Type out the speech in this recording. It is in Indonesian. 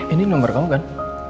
ini nomor kamu kan